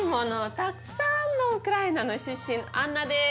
たくさんのウクライナの出身アンナです。